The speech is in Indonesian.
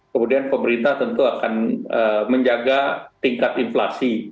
kemudian pemerintah tentu akan menjaga tingkat inflasi